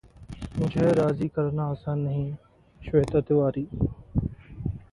मुझे राजी करना आसान नहीं: श्वेता तिवारी